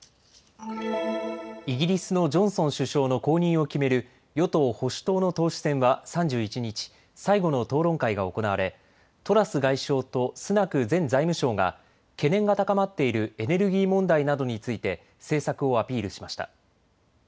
イギリスのジョンソン首相の後任を決める与党・保守党の党首選は３１日、最後の討論会が行われトラス外相とスナク前財務相が懸念が高まっているエネルギー問題などについて政策をアピールしました。